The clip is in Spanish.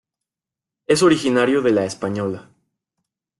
Es originario de La Española.